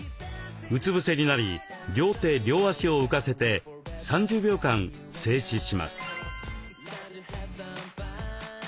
うつ伏せになり両手両足を浮かせて３０秒間静止します。